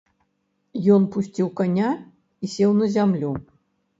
Ён пусціў каня і сеў на зямлю.